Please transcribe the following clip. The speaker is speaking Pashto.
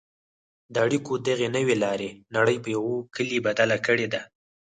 د اړیکو دغې نوې لارې نړۍ په یوه کلي بدله کړې ده.